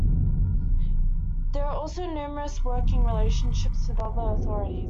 There are also numerous working relationships with other authorities.